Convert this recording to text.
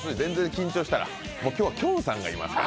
今日は、きょんさんがいますから。